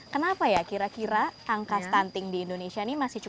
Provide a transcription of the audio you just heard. kenapa ya kira kira angka stunting di indonesia ini masih cukup